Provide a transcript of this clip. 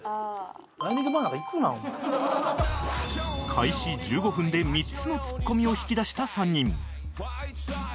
開始１５分で３つのツッコミを引き出した３人